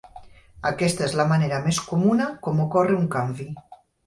Aquesta és la manera més comuna com ocorre un canvi.